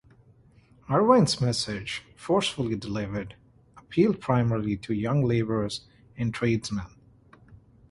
Irvine's message, forcefully delivered, appealed primarily to young laborers and tradesmen.